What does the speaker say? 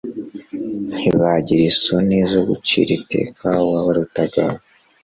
Ntibanagiraga isoni zo guciraho iteka uwabarutaga.